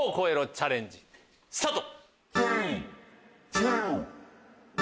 チャレンジスタート！